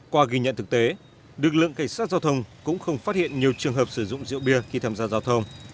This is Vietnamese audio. qua ghi nhận thực tế lực lượng cảnh sát giao thông cũng không phát hiện nhiều trường hợp sử dụng rượu bia khi tham gia giao thông